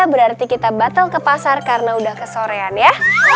berarti kita batal ke pasar karena udah kesorean ya